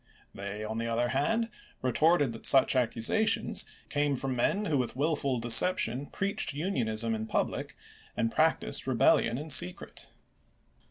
They, on the other hand, retorted that such accusations came from men who with willful deception preached Unionism in public and practiced rebellion in secret.